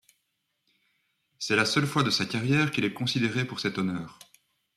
C'est la seule fois de sa carrière qu'il est considéré pour cet honneur.